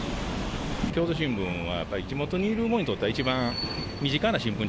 京都新聞はやっぱり、地元にいる者にとっては一番身近な新聞